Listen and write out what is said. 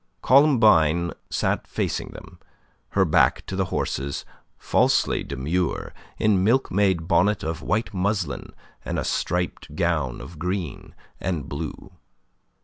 Columbine sat facing them, her back to the horses, falsely demure, in milkmaid bonnet of white muslin, and a striped gown of green and blue.